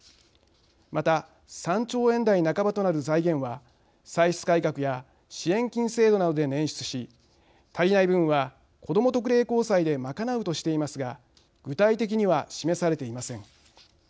また、３兆円台半ばとなる財源は歳出改革や支援金制度などで捻出し足りない分はこども特例公債で賄うとしていますが具体的には示されていません。